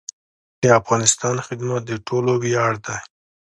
د افغانستان خدمت د ټولو ویاړ دی